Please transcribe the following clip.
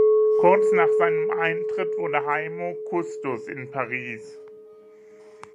Kurz nach seinem Eintritt wurde Haymo Kustos in Paris.